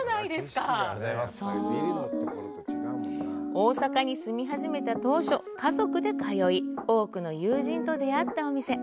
大阪に住み始めた当初、家族で通い、多くの友人と出会ったお店。